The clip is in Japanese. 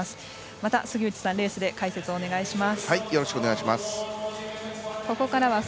また杉内さんレースで解説お願いします。